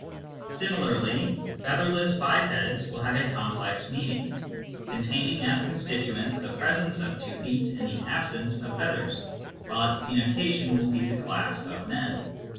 Similarly "featherless bipeds " will have a complex meajiing, containing as constituents the presence of two feet and the absence of feathers,^) while its denotation will be the class of men.